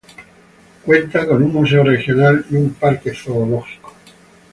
Cuenta con un museo regional y un parque zoológico.